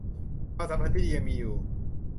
ความสัมพันธ์ที่ดียังมีอยู่